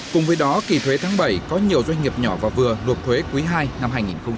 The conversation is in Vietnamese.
cùng với đó kỳ thuế tháng bảy có nhiều doanh nghiệp nhỏ và vừa nộp thuế quý hai năm hai nghìn một mươi chín